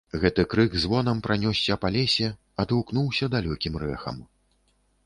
Гэты крык звонам пранёсся па лесе, адгукнуўся далёкім рэхам.